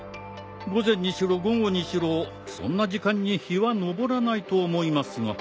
午前にしろ午後にしろそんな時間に日は昇らないと思いますが。